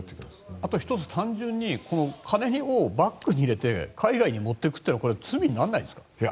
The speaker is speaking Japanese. あと１つ単純に金をバッグに入れて海外に持っていくというのは罪にはならないんですか？